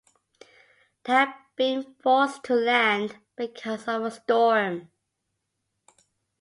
They had been forced to land because of a storm.